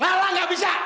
malah nggak bisa